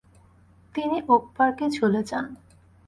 তিনি ওকপার্কে চলে যান।